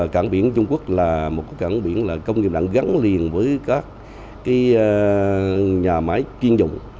cảng biển dung quốc là một cổng biển công nghiệp gắn liền với các nhà máy chuyên dụng